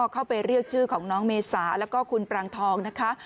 เข้าไปเรียกชื่อของน้องเมษาแล้วก็คุณปรางทองนะคะ